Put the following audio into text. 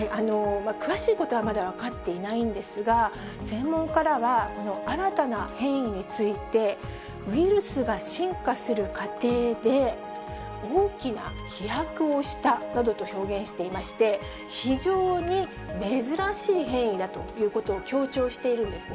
詳しいことはまだ分かっていないんですが、専門家らはこの新たな変異について、ウイルスが進化する過程で、大きな飛躍をしたなどと表現していまして、非常に珍しい変異だということを強調しているんですね。